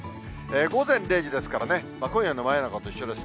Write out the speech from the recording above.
午前０時ですからね、今夜の真夜中と一緒です。